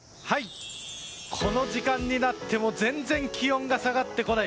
この時間になっても全然気温が下がってこない。